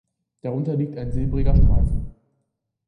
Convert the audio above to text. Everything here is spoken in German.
Darunter liegt ein silbriger Streifen.